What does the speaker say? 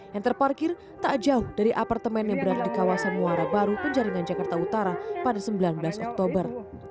yang terparkir tak jauh dari apartemen yang berada di kawasan muara baru penjaringan jakarta utara pada sembilan belas oktober